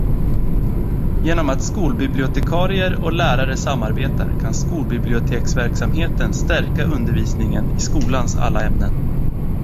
Genom att skolbibliotekarier och lärare samarbetar kan skolbiblioteksverksamheten stärka undervisningen i skolans alla ämnen.